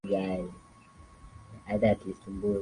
atakiwa kisagike na kiweze